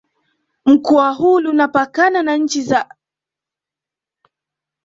Mkoa huu Lunapakana na nchi za Jamhuri ya Kidemokrasi ya Kongo